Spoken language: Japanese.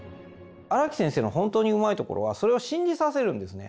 荒木先生の本当にうまいところはそれを信じさせるんですね。